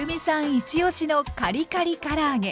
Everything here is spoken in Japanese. イチオシのカリカリから揚げ。